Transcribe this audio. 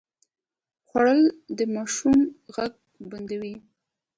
خوړل د ماشوم غږ بندوي